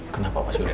kenapa pak surya noh